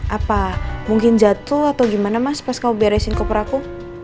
apa mungkin jatuh atau gimana mas pas kamu beresin koper aku